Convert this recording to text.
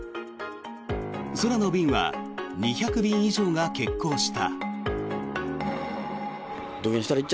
空の便は２００便以上が欠航した。